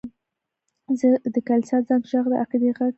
د کلیسا زنګ ږغ د عقیدې غږ دی.